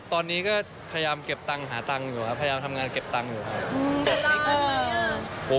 ตอนนี้ก็พยายามเก็บตังค์หาตังค์อยู่ครับพยายามทำงานเก็บตังค์อยู่ครับ